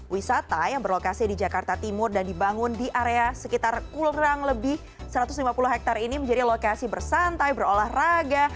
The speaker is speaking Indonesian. wisata yang berlokasi di jakarta timur dan dibangun di area sekitar kurang lebih satu ratus lima puluh hektare ini menjadi lokasi bersantai berolahraga